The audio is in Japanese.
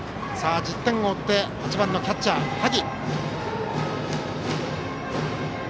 １０点を追って８番のキャッチャー萩。